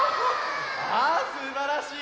ああすばらしい！